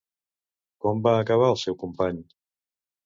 Com va acabar el seu company?